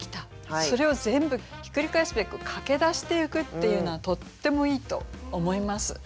それを全部ひっくり返すべく「駆けだしてゆく」っていうのはとってもいいと思います。